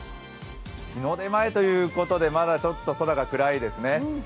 日の出前ということでまだちょっと空が暗いですね。